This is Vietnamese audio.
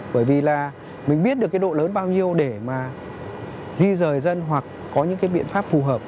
bởi vì là mình biết được cái độ lớn bao nhiêu để mà di rời dân hoặc có những cái biện pháp phù hợp